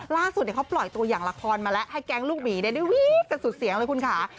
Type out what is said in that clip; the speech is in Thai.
ล่าสุดเขาปล่อยตัวอย่างละครมาแล้วให้แก๊งลูกหมีได้วีดกันสุดเสียงเลยคุณค่ะ